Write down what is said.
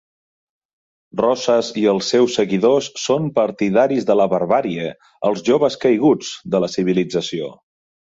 Rosas i els seus seguidors són partidaris de la barbàrie, els joves caiguts, de la civilització.